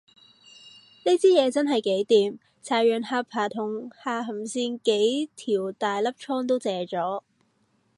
呢支嘢真係幾掂，搽完下巴同下頷線幾粒大毒瘡都謝咗